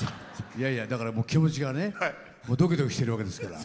だから、気持ちがドキドキしてるわけですから。